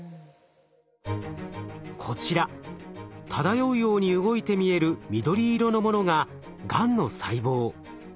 こちら漂うように動いて見える緑色のものががんの細胞。